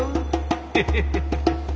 ヘヘヘヘ。